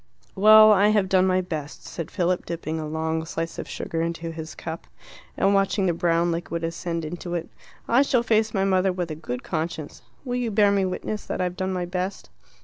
"Well, I have done my best," said Philip, dipping a long slice of sugar into his cup, and watching the brown liquid ascend into it. "I shall face my mother with a good conscience. Will you bear me witness that I've done my best?"